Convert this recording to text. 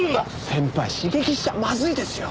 先輩刺激しちゃまずいですよ！